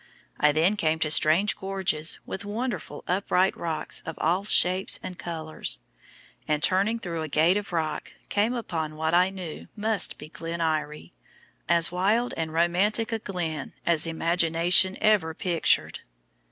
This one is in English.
I then came to strange gorges with wonderful upright rocks of all shapes and colors, and turning through a gate of rock, came upon what I knew must be Glen Eyrie, as wild and romantic a glen as imagination ever pictured.